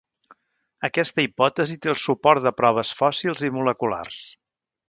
Aquesta hipòtesi té el suport de proves fòssils i moleculars.